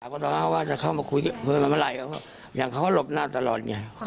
ก็ตอบว่าจะเข้ามาคุยกันเมื่อไหร่เพราะอย่างเขาหลบหน้าตลอดอย่างนี้